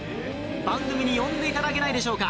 「番組に呼んでいただけないでしょうか」